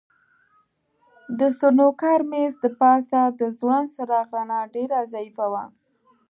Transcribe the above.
د سنوکر مېز د پاسه د ځوړند څراغ رڼا ډېره ضعیفه وه.